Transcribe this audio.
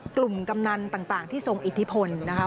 กำนันต่างที่ทรงอิทธิพลนะคะ